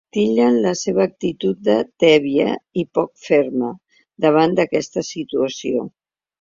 Titllen la seva actitud de ‘tèbia i poc ferma’ davant d’aquesta situació.